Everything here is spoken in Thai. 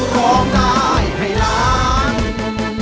พร้อมได้ให้รัก